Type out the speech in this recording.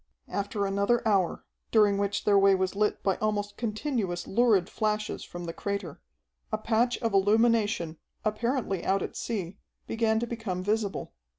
After another hour, during which their way was lit by almost continuous lurid flashes from the crater, a patch of illumination, apparently out at sea, began to become visible.